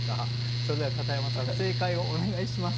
それでは片山さん正解をお願いします。